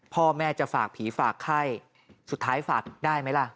พ่อแม่จะฝากผีฝากไข้สุดท้ายฝากได้ไหมล่ะ